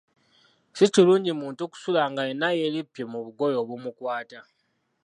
Si kirungi muntu kusula nga yenna yeerippye mu bugoye obumukwata.